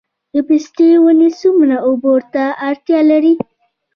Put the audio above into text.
د پستې ونې څومره اوبو ته اړتیا لري؟